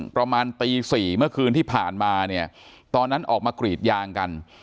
ประมาณตี๔เมื่อคืนที่ผ่านมาเนี่ยตอนนั้นออกมากรีดยางกัน